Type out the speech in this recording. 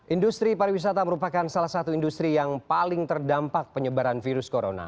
industri pariwisata merupakan salah satu industri yang paling terdampak penyebaran virus corona